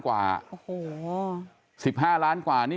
คุณอย่างงี้